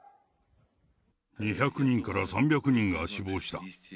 ２００人から３００人が死亡した。